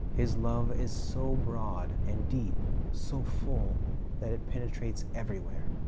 His love is so broad, so deep, so full, that it penetrates everywhere.